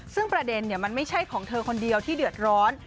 ซึ่งประเด็นมันไม่ใช่ของเธอคนเดียวที่เดือดร้อน